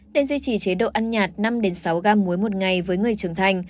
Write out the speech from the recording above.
để duy trì chế độ ăn nhạt năm sáu g muối một ngày với người trưởng thành